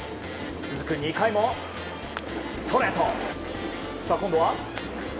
続く２回も、ストレート。